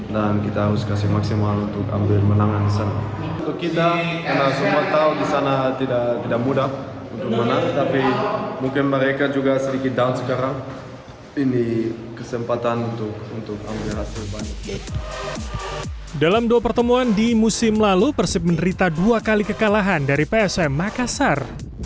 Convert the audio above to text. dalam dua pertemuan di musim lalu persib menderita dua kali kekalahan dari psm makassar